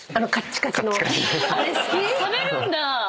食べるんだ！